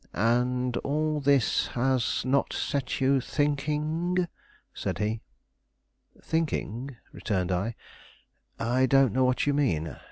"And all this has not set you thinking?" said he. "Thinking," returned I. "I don't know what you mean.